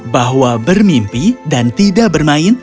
bahwa bermimpi dan tidak bermain